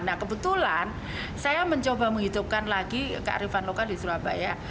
nah kebetulan saya mencoba menghidupkan lagi kearifan lokal di surabaya